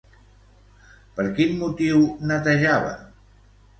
Per quin motiu netejava?